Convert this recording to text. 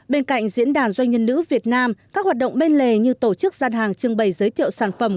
bên cạnh diễn đàn doanh nhân nữ việt nam các hoạt động bên lề như tổ chức gian hàng trưng bày giới thiệu sản phẩm